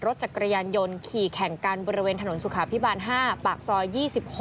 รถจักรยานยนต์ขี่แข่งกันบริเวณถนนสุขาพิบาล๕ปากซอย๒๖